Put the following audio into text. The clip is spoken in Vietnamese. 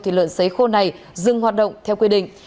thịt lợn xấy khô này dừng hoạt động theo quy định